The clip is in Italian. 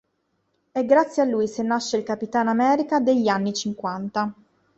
È grazie a lui se nasce il Capitan America degli anni cinquanta.